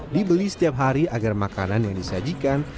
dibeli setiap hari agar makanan yang disajikan